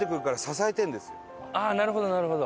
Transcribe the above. ああなるほどなるほど。